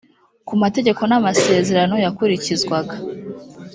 ku mategeko n amasezerano yakurikizwaga